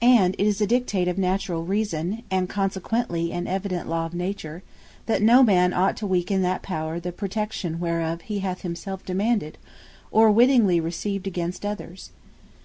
And it is a Dictate of Naturall Reason, and consequently an evident Law of Nature, that no man ought to weaken that power, the protection whereof he hath himself demanded, or wittingly received against others.